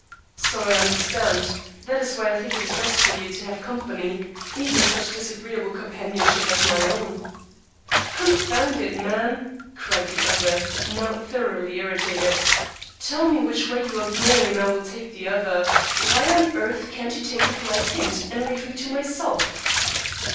"So I understand. That is why I think it is best for you to have company, even such disagreeable companionship as my own." "Confound it, man," cried the other, now thoroughly irritated; "tell me which way you are going and I will take the other. Why on earth cannot you take a polite hint, and leave me to myself?"